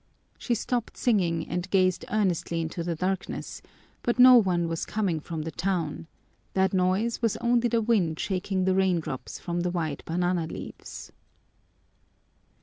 She stopped singing and gazed earnestly into the darkness, but no one was coming from the town that noise was only the wind shaking the raindrops from the wide banana leaves.